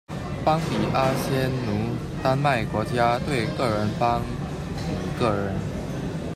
邦比阿仙奴丹麦国家队个人邦比个人